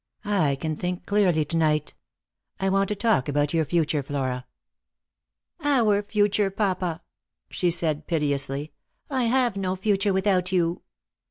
I can think clearly to night. I want to talk about your future, Flora." " Our future, papa," she said piteously ;" I have no future without you."